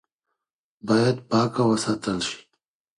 باید پاکه وساتل شي.